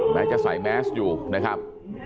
แม้จะใส่แมสอยู่นะครับ